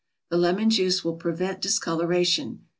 The lemon juice will prevent discoloration.